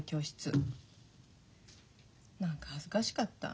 何か恥ずかしかった。